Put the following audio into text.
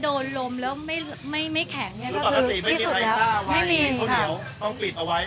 โดนลมแล้วไม่ไม่ไม่แข็งเนี้ยก็คือที่ภาษีไม่มีไทรศาสตร์โมยเกี่ยวต้องปิดเอาไว้